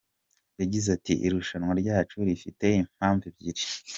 Yagize ati “Irushanwa ryacu rifite impamvu ebyiri.